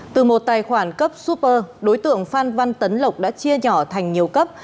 từ một tài khoản cấp super đối tượng phan văn tấn lộc đã chia nhỏ thành nhiều cấp